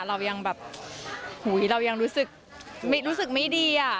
เรายังแบบเรายังรู้สึกไม่ดีอ่ะ